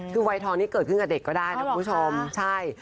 คือวัยทองนี้เกิดขึ้นกับเด็กก็ได้นะคุณผู้ชมใช่